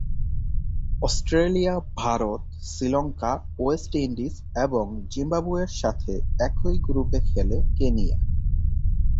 Australia, Bharat, Sri Lanka, West Indies এবং জিম্বাবুয়ের সাথে একই গ্রুপে খেলে কেনিয়া।